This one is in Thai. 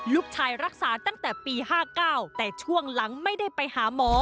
รักษาตั้งแต่ปี๕๙แต่ช่วงหลังไม่ได้ไปหาหมอ